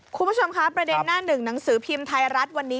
คุณผู้ชมคะประเด็นหน้าหนึ่งหนังสือพิมพ์ไทยรัฐวันนี้